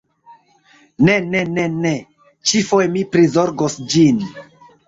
Ne, ne, ne, ne. Ĉi-foje mi prizorgos ĝin.